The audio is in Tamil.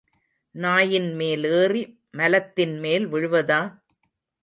நாயின் மேல் ஏறி மலத்தின்மேல் விழுவதா?